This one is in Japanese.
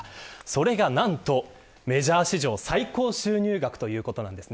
それが何とメジャー史上、最高収入額です。